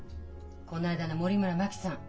この間の森村真紀さん。